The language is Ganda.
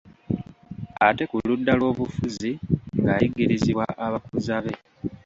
Ate ku ludda lw'obufuzi ng'ayigirizibwa abakuza be.